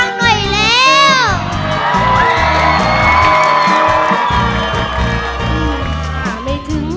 ขอเสียงขอเสียง